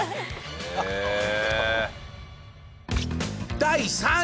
第３位。